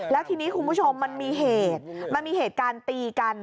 แล้วทีนี้คุณผู้ชมมันมีเหตุการตีกัน